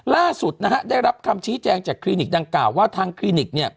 ล่าสุดนะฮะได้รับคำชี้แจงจากคลินิกดังกล่าวว่าทางคลินิกเนี่ย